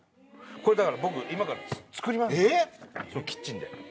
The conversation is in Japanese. これだから僕今から作りますキッチンで。